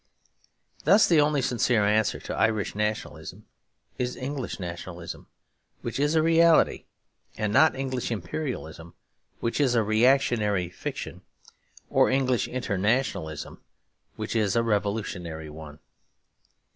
Thus the only sincere answer to Irish nationalism is English nationalism, which is a reality; and not English imperialism, which is a reactionary fiction, or English internationalism, which is a revolutionary one.